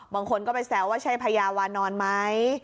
บางคนก็ไปแซวว่าใช่พญาวานอนไหม